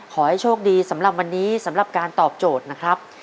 ขอให้โชคดีสำหรับวันนี้สำหรับการตอบโจทย์นะครับ